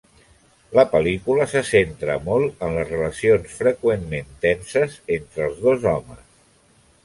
La pel·lícula se centra molt en la relació freqüentment tensa entre els dos homes.